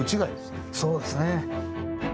そうですね。